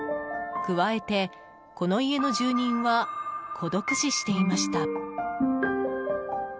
加えて、この家の住人は孤独死していました。